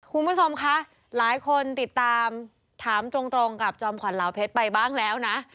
คุณผู้ชมคะหลายคนติดตามถามตรงกับจอมขวัญเหลาเพชรไปบ้างแล้วนะ